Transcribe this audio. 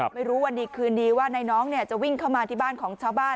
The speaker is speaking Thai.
ไม่รู้วันดีคืนดีว่านายน้องจะวิ่งเข้ามาที่บ้านของชาวบ้าน